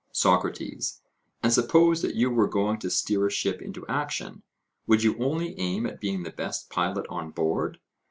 SOCRATES: And suppose that you were going to steer a ship into action, would you only aim at being the best pilot on board?